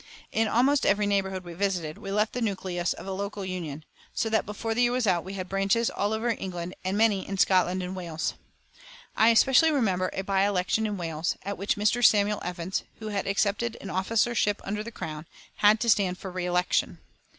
In almost every neighbourhood we visited we left the nucleus of a local union, so that before the year was out we had branches all over England and many in Scotland and Wales. I especially remember a by election in Wales at which Mr. Samuel Evans, who had accepted an officership under the Crown, had to stand for re election.